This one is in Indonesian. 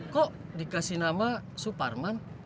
kok dikasih nama suparman